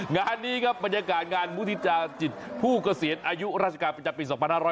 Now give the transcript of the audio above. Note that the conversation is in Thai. งานนี้ครับบรรยากาศงานมุฒิจาจิตผู้เกษียณอายุราชการประจำปี๒๕๖๐